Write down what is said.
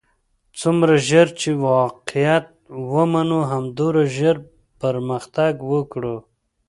څومره ژر چې واقعیت ومنو همدومره ژر بۀ پرمختګ وکړو.